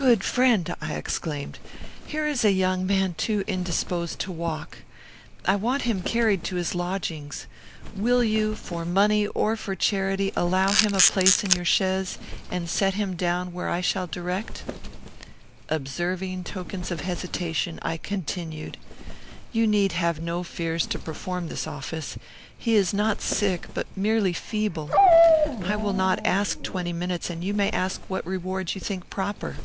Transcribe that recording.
"Good friend," I exclaimed, "here is a young man too indisposed to walk. I want him carried to his lodgings. Will you, for money or for charity, allow him a place in your chaise, and set him down where I shall direct?" Observing tokens of hesitation, I continued, "You need have no fears to perform this office. He is not sick, but merely feeble. I will not ask twenty minutes, and you may ask what reward you think proper."